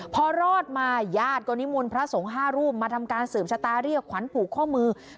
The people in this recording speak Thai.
พอรอดมาญาติก็นิมนต์พระสงฆ์๕รูปมาทำการสืบชะตาเรียกขวัญผูกข้อมือ